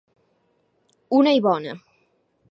Una i bona.